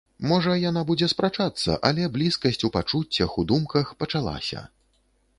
Можа, яна будзе спрачацца, але блізкасць у пачуццях, у думках пачалася.